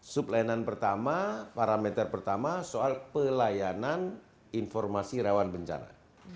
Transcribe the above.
sublainan pertama parameter pertama soal pelayanan informasi rawan bencana